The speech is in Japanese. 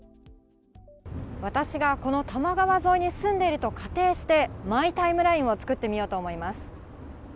私がこの多摩川沿いに住んでいると仮定して、マイタイムラインを作ってみようと思います。